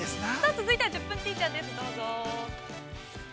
◆続いては「１０分ティーチャー」です、どうぞ。